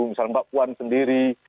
misalnya mbak puan sendiri